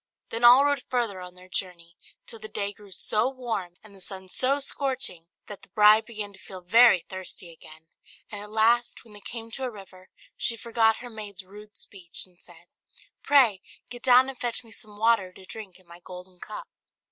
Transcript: Then all rode further on their journey, till the day grew so warm, and the sun so scorching, that the bride began to feel very thirsty again; and at last, when they came to a river, she forgot her maid's rude speech, and said, "Pray get down and fetch me some water to drink in my golden cup."